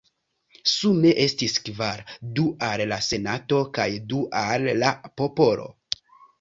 Sume estis kvar: du al la senato, kaj du al la popolo.